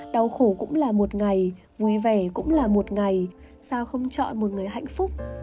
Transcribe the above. đau khổ cũng là một ngày vui vẻ cũng là một ngày sao không chọn một người hạnh phúc